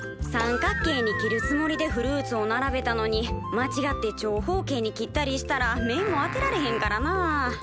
三角形に切るつもりでフルーツを並べたのに間違って長方形に切ったりしたら目も当てられへんからなあ。